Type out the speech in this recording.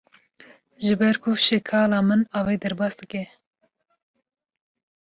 Ji ber ku şekala min avê derbas dike.